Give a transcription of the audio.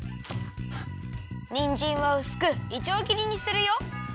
にんじんはうすくいちょうぎりにするよ。